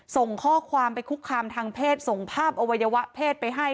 ส่งข้อความไปคุกคามทางเพศส่งภาพอวัยวะเพศไปให้